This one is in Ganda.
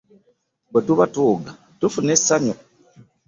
Bwe tuba tuwuga tufuna essanyu.